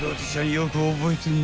よく覚えてんね］